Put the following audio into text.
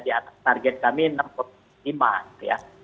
di atas target kami rp enam puluh lima triliun